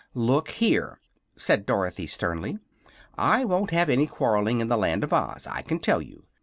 "Look here!" said Dorothy, sternly. "I won't have any quarrelling in the Land of Oz, I can tell you!